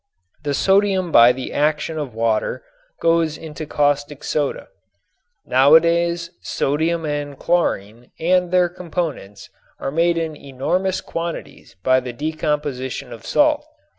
The sodium by the action of water goes into caustic soda. Nowadays sodium and chlorine and their components are made in enormous quantities by the decomposition of salt.